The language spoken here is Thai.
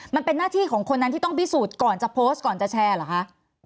มันเป็นหน้าที่ของคนนั้นที่ต้องพิสูจน์ก่อนจะโพสต์ก่อนจะแชร์เหรอคะ